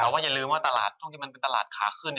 แต่อย่าลืมว่าตลาดถ้ามันเป็นตลาดขาขึ้น